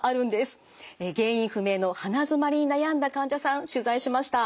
原因不明の鼻づまりに悩んだ患者さん取材しました。